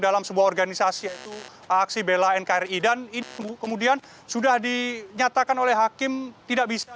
dalam sebuah organisasi yaitu aksi bela nkri dan ini kemudian sudah dinyatakan oleh hakim tidak bisa